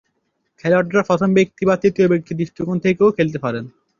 খেলোয়াড়রা প্রথম ব্যক্তি বা তৃতীয় ব্যক্তি দৃষ্টিকোণ থেকেও খেলতে পারেন।